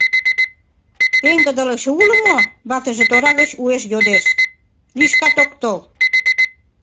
— Пеҥгыдылыкше уло мо? — ватыже тора гыч уэш йодеш, лишкат ок тол...